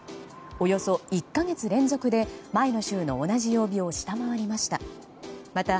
およそ１か月連続で前の週の同じ曜日を下回りました。